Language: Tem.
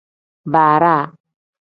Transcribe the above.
Bara.